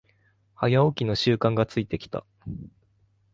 早起きの習慣がついてきた